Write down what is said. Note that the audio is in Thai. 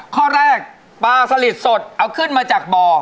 ข้อแรกปลาสลิดสดเอาขึ้นมาจากบ่อ